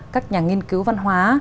các nhà nghiên cứu văn hóa